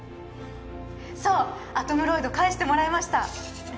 そうアトムロイド返してもらえましたちょちょ